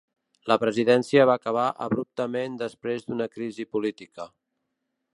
La presidència va acabar abruptament després d'una crisi política.